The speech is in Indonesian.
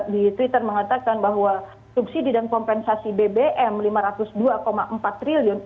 di twitter mengatakan bahwa subsidi dan kompensasi bbm rp lima ratus dua empat triliun